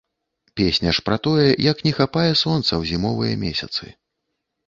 Песня ж пра тое, як не хапае сонца ў зімовыя месяцы.